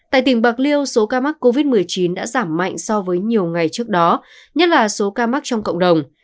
tại tỉnh bạc liêu số ca mắc covid một mươi chín đã giảm mạnh so với nhiều ngày trước đó nhất là số ca mắc trong cộng đồng